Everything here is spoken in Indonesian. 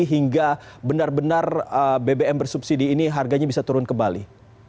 hingga benar benar bbm bersubsidi ini harganya bisa turun kembali